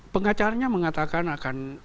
pengacaranya mengatakan akan